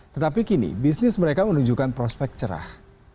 tetapi kini bisnis mereka menunjukkan prospek cerah